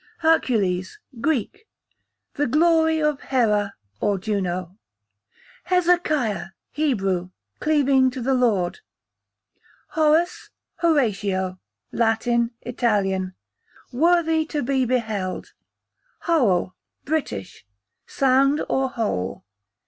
Hercules, Greek, the glory of Hera, or Juno. Hezekiah, Hebrew, cleaving to the Lord. Horace, Latin. } Horatio, Italian, } worthy to be beheld. Howel, British, sound or whole.